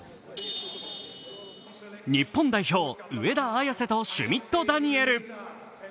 日本代表、上田綺世とシュミット・ダニエル。